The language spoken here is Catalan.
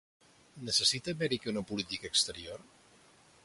Necessita Amèrica una política exterior?